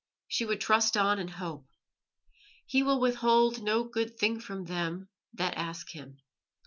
She would trust on and hope. "He will withhold no good thing from them that ask Him."